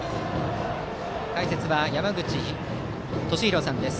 解説は山口敏弘さんです。